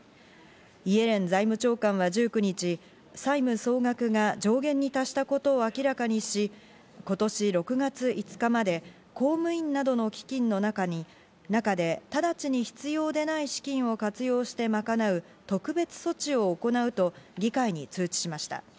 イエレン財務長官は１９日、債務総額が上限に達したことを明らかにし、今年６月５日まで公務員などの基金の中でただちに必要でない資金を活用して賄う特別措置を行うと議会に通知しました。